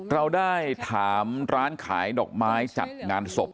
เราได้ถามร้านขายดอกไม้จัดงานศพ